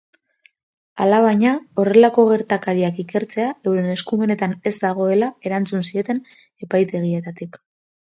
Alabaina, horrelako gertakariak ikertzea euren eskumenetan ez dagoela erantzun zieten epaitegietatik.